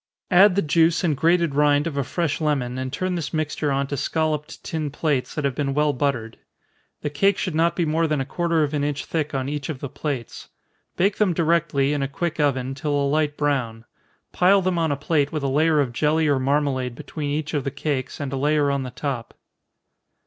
Add the juice and grated rind of a fresh lemon, and turn this mixture on to scolloped tin plates, that have been well buttered. The cake should not be more than a quarter of an inch thick on each of the plates. Bake them directly, in a quick oven, till a light brown. Pile them on a plate with a layer of jelly or marmalade between each of the cakes, and a layer on the top.